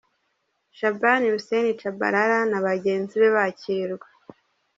Shaban Hussein Tchabalala na bagenzi be bakirwa .